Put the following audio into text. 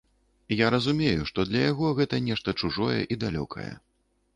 Я разумею, што для яго гэта нешта чужое і далёкае.